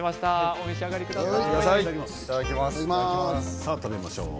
お召し上がりください。